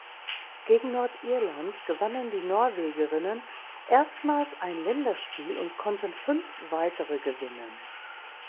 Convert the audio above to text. Gegen Nordirland gewannen die Norwegerinnen erstmals ein Länderspiel und konnten fünf weitere gewinnen.